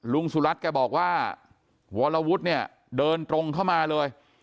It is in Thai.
สุรัตน์แกบอกว่าวรวุฒิเนี่ยเดินตรงเข้ามาเลย